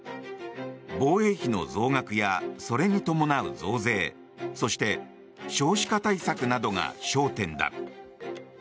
防衛費の増額やそれに伴う増税そして少子化対策などが焦点だ。